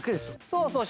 そうそう。